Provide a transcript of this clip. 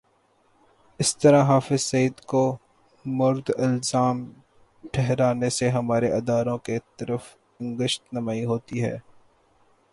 اس طرح حافظ سعید کو مورد الزام ٹھہرانے سے ہمارے اداروں کی طرف انگشت نمائی ہوتی ہے۔